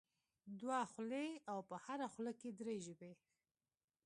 دوه خولې او په هره خوله کې درې ژبې.